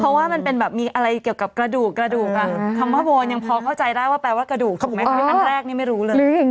เพราะว่ามันเป็นแบบมีอะไรเกี่ยวกับกระดูกกระดูกคำว่าโวนยังพอเข้าใจได้ว่าแปลว่ากระดูกถูกไหมคะอันแรกนี่ไม่รู้เลย